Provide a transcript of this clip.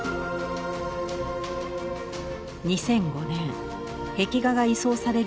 ２００５年壁画が移送される